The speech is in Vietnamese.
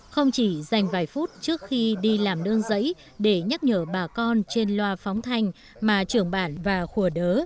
không chỉ dành vài phút trước khi đi làm đơn giấy để nhắc nhở bà con trên loà phóng thanh mà trường bản và khu đớ